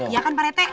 iya kan pak rete